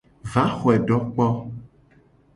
Va xoe do kpo.